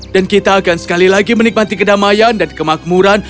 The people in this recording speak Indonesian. dan kita akan sekali lagi menikmati kedamaian dan kemakmuran